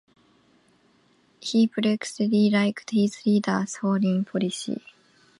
He particularly liked his leader's foreign policy.